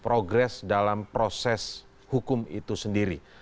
progres dalam proses hukum itu sendiri